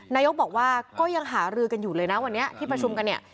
นายกบอกว่าก็ยังหารือกันอยู่เลยนะวันนี้ที่ประชุมกันเนี่ย